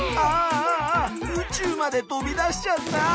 ああ宇宙まで飛び出しちゃった！